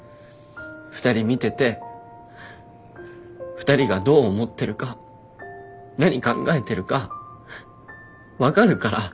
２人見てて２人がどう思ってるか何考えてるか分かるから。